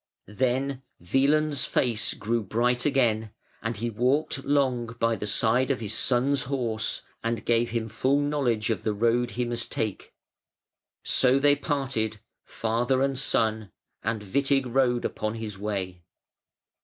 Then Wieland's face grew bright again, and he walked long by the side of his son's horse and gave him full knowledge of the road he must take. So they parted, father and son, and Witig rode upon his way.